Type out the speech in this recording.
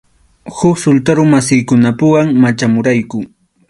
Huk sultarumasikunapuwan machamurayku.